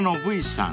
さん